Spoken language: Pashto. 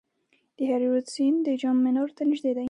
د هریرود سیند د جام منار ته نږدې دی